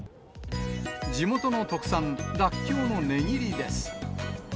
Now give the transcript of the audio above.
地元の特産、ラッキョウの値切りです。